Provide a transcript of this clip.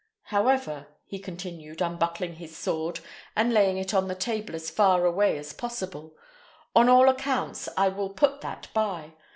However," he continued, unbuckling his sword and laying it on the table as far away as possible, "on all accounts I will put that by.